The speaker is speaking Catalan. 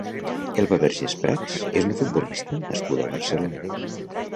Elba Vergés Prats és una futbolista nascuda a Barcelona.